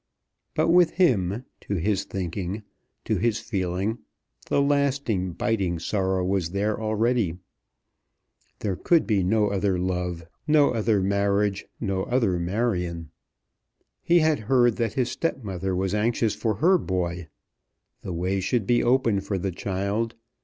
But with him, to his thinking, to his feeling, the lasting biting sorrow was there already. There could be no other love, no other marriage, no other Marion. He had heard that his stepmother was anxious for her boy. The way should be open for the child.